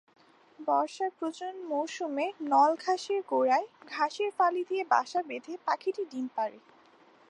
বর্ষার প্রজনন-মৌসুমে নল-ঘাসের গোড়ায় ঘাসের ফালি দিয়ে বাসা বেঁধে পাখিটি ডিম পাড়ে।